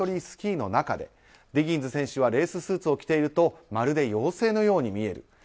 スキーの中でディギンズ選手はレーススーツを着ているとまるで妖精のように見える。